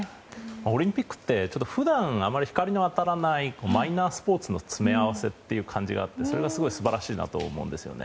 オリンピックって普段、あまり光の当たらないマイナースポーツの詰め合わせっていう感じがあって、それがすごい素晴らしいなと思うんですよね。